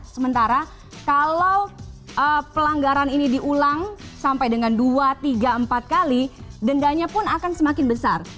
sementara kalau pelanggaran ini diulang sampai dengan dua tiga empat kali dendanya pun akan semakin besar